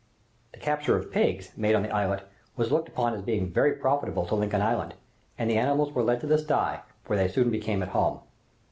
The capture of pigs, made on the islet, was looked upon as being very profitable to Lincoln Island, and the animals were led to the sty, where they soon became at home.